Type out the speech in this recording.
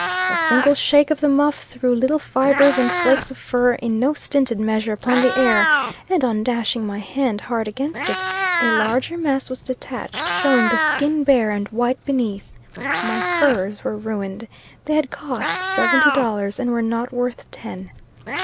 A single shake of the muff, threw little fibres and flakes of fur in no stinted measure upon the air; and, on dashing my hand hard against it, a larger mass was detached, showing the skin bare and white beneath. My furs were ruined. They had cost seventy dollars, and were not worth ten!